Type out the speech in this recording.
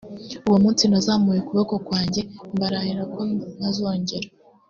uwo munsi nazamuye ukuboko kwanjye mbarahira ko ntazongera